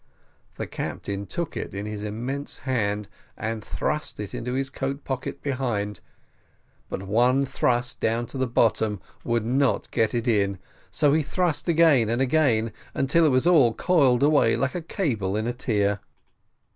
The Captain took it in his immense hand, and thrust it into his coat pocket behind, but one thrust down to the bottom would not get it in, so he thrust again and again, until it was all coiled away like a cable in a tier.